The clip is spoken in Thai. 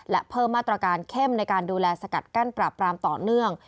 และเพิ่มมาตรการเข้มในการดูแลสกัดกั้นปราบปรามต่อเนื่อง